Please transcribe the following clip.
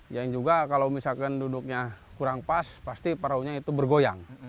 yang juga kalau misalkan duduknya kurang pas pasti perahunya itu bergoyang